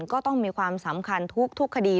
ก็ต้องมีความสำคัญทุกคดี